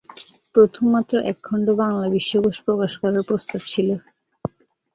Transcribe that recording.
প্রথমে মাত্র এক খন্ড বাংলা বিশ্বকোষ প্রকাশ করার প্রস্তাব ছিল।